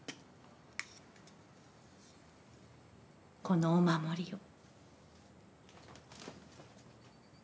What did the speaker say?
このお守りを。